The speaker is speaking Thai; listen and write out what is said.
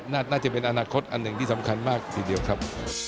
น่าจะเป็นอนาคตอันหนึ่งที่สำคัญมากทีเดียวครับ